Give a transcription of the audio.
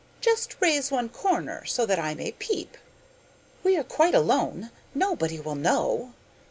Just raise one corner so that I may peep. We are quite alone: nobody will ever know.